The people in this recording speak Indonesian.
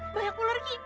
aduh banyak ular gitu